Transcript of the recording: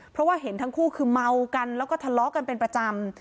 เพราะว่าเห็นทั้งคู่คือเมากันแล้วก็ทะเลาะกันเป็นประจำ